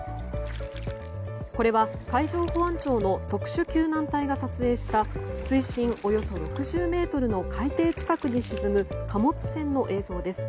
これは、海上保安庁の特殊救難隊が撮影した水深およそ６０ｍの海底近くに沈む貨物船の映像です。